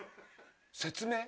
説明？